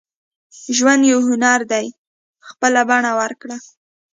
• ژوند یو هنر دی، خپله بڼه ورکړه.